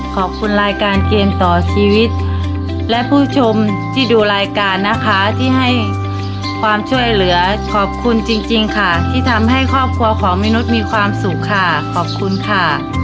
ขอบคุณรายการเกมต่อชีวิตและผู้ชมที่ดูรายการนะคะที่ให้ความช่วยเหลือขอบคุณจริงค่ะที่ทำให้ครอบครัวของมนุษย์มีความสุขค่ะขอบคุณค่ะ